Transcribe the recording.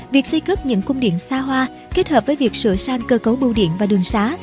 việc xây cất những cung điện xa hoa kết hợp với việc sửa sang cơ cấu bưu điện và đường xá